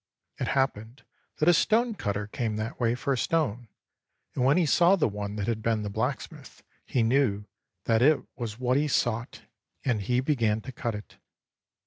It happened that a stone cutter came that way for a stone, and when he saw the one that had been the blacksmith, he knew that it was what he sought, and he began to cut it.